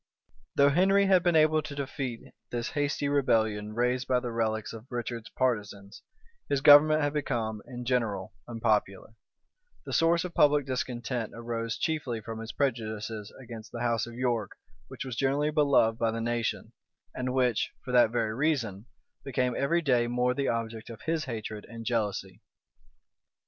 Though Henry had been able to defeat this hasty rebellion raised by the relics of Richard's partisans, his government was become in general unpopular: the source of public discontent arose chiefly from his prejudices against the house of York which was generally beloved by the nation, and which, for that very reason, became every day more the object of his hatred and jealousy.